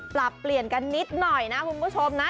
ปรับเปลี่ยนกันนิดหน่อยนะคุณผู้ชมนะ